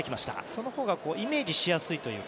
そのほうがイメージしやすいという。